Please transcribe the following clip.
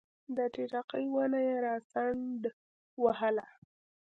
د ټیټاقې ونه یې راڅنډ وهله